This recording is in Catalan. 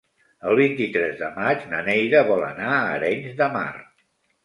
El vint-i-tres de maig na Neida vol anar a Arenys de Mar.